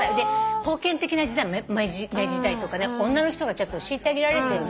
封建的な時代明治時代とかね女の人がちょっと虐げられてんじゃん。